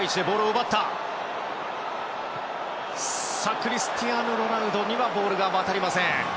クリスティアーノ・ロナウドにはボールが渡りません。